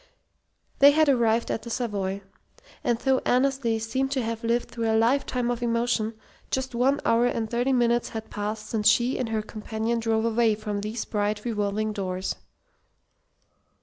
They had arrived at the Savoy: and though Annesley seemed to have lived through a lifetime of emotion, just one hour and thirty minutes had passed since she and her companion drove away from these bright revolving doors.